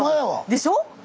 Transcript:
でしょ？